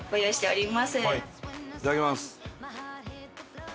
いただきます。